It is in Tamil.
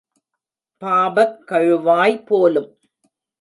பாபக் கழுவாய் போலும்.